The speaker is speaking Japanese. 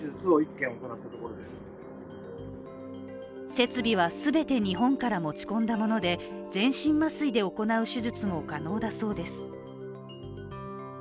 設備は全て日本から持ち込んだもので全身麻酔で行う手術も可能だそうです。